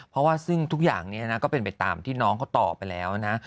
เพราะว่าซึ่งทุกอย่างนี้นะก็เป็นไปตามที่น้องเขาตอบไปแล้วนะ